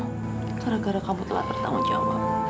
gara gara kamu telah bertanggung jawab